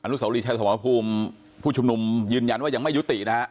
สาวรีชัยสมรภูมิผู้ชุมนุมยืนยันว่ายังไม่ยุตินะฮะ